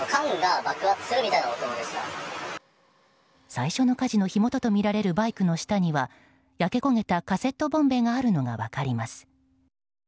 最初の火事の火元とみられるバイクの下には焼け焦げたカセットボンベがあるのが分かります。